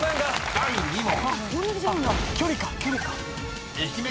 ［第２問］